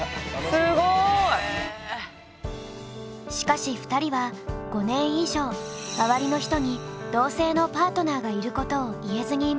しかし２人は５年以上周りの人に同性のパートナーがいることを言えずにいました。